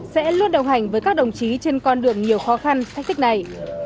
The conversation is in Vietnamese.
sẽ luôn đồng hành với các đồng chí trên con đường nhiều khó khăn thách thức này